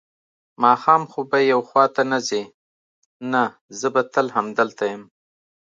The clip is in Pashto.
ماښام خو به یو خوا ته نه ځې؟ نه، زه به تل همدلته یم.